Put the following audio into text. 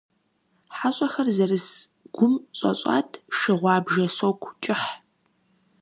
ХьэщӀэхэр зэрыс гум щӀэщӀат шы гъуабжэ соку кӀыхь.